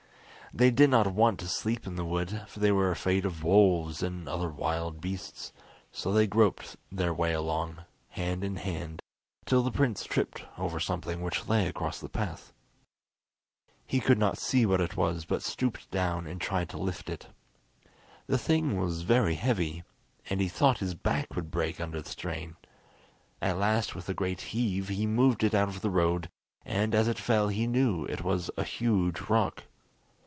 They did not want to sleep in the wood, for they were afraid of wolves and other wild beasts, so they groped their way along, hand in hand, till the prince tripped over something which lay across the path. He could not see what it was, but stooped down and tried to lift it. The thing was very heavy, and he thought his back would break under the strain. At last with a great heave he moved it out of the road, and as it fell he knew it was a huge rock.